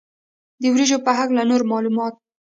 د وریجو په هکله نور معلومات.